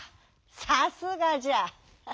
さすがじゃ！